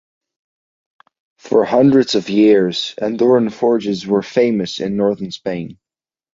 For hundreds of years, Andorran forges were famous in northern Spain.